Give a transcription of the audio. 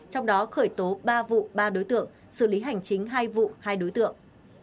trong đó khởi tố ba vụ ba đối tượng xử lý hành chính hai vụ hai đối tượng